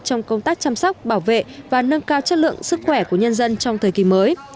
trong công tác chăm sóc bảo vệ và nâng cao chất lượng sức khỏe của nhân dân trong thời kỳ mới